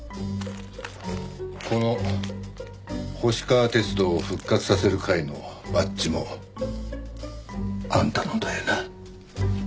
この星川鐵道を復活させる会のバッジもあんたのだよな？